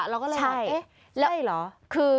เราก็เลยว่าเอ๊ะได้เหรอใช่